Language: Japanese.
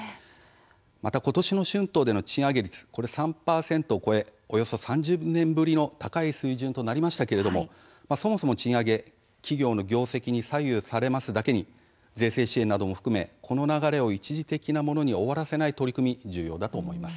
また今年の春闘での賃上げ率は３％を超えおよそ３０年ぶりの高い水準となったわけなんですけれどもそもそも賃上げは企業業績に大きく左右されますだけに税制支援なども含めこの流れを一時的なものに終わらせない取り組みも重要だと思います。